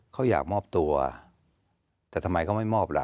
เขาอยากมอบตัวแต่ทำไมเขาไม่มอบล่ะ